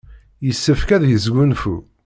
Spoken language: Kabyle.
Yessefk ad yesgunfu.